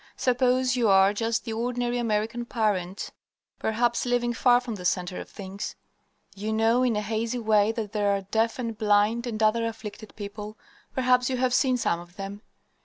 Suppose you are just the ordinary American parents, perhaps living far from the center of things. You know in a hazy way that there are deaf and blind and other afflicted people perhaps you have seen some of them.